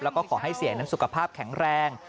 แล้วก็ขอให้เสียนั้นสุขภาพแข็งแรง